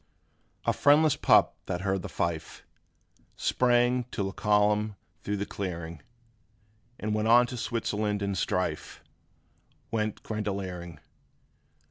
A FRIENDLESS pup that heard the fife Sprang to the column thro' the clearing, And on to Switzerland and strife Went grenadiering.